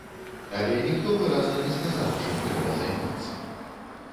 Але ніхто выразна не сказаў, чым трэба займацца.